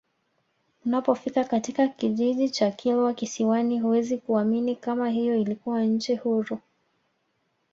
Unapofika katika kijiji cha Kilwa Kisiwani huwezi kuamini kama hiyo ilikuwa nchi huru